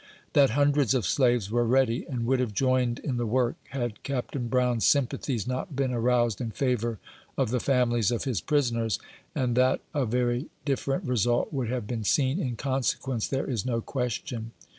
That hundreds of slaves were ready, and would have joined in the work, had Captain Brown's sympathies not been aroused in favor of the families of his prisoners, and that a very dif ferent result would have been seen, in consequence, there ia no question.